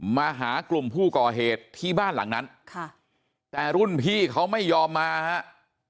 มาหากลุ่มผู้ก่อเหตุที่บ้านหลังนั้นค่ะแต่รุ่นพี่เขาไม่ยอมมาฮะ